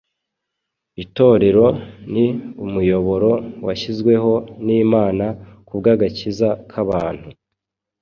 itorero ni umuyoboro washyizweho n’Imana kubw’agakiza k’abantu.